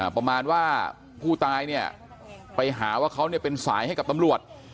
ประมาณว่าผู้ตายเนี่ยไปหาว่าเขาเป็นสายให้กับตำรวจ